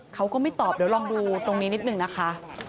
เขาก็ไม่ตอบเดี๋ยวลองดูตรงนี้นิดนึงนะคะ